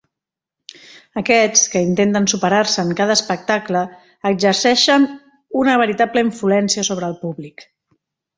Aquests, que intenten superar-se en cada espectacle, exerceixen una veritable influència sobre el públic.